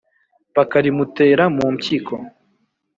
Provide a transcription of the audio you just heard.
bakarimutera mu mpyiko